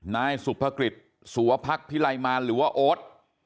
นายสุภกฤษสัวพักพิไลมารหรือว่าโอ๊ต